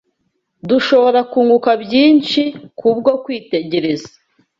dushobora kunguka byinshi kubwo kwitegereza